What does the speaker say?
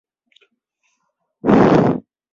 اور پھر ممکن ہے کہ پاکستان بھی ہو